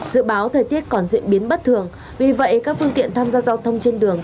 dự báo thời tiết còn diễn biến bất thường vì vậy các phương tiện tham gia giao thông trên đường